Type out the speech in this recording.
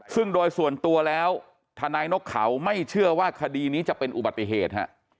ซึ่งโดยส่วนตัวแล้วทนายนกเขาไม่เชื่อว่าคดีนี้จะเป็นอุบัติเหตุ